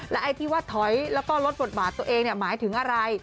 ไอ้ที่ว่าถอยแล้วก็ลดบทบาทตัวเองหมายถึงอะไร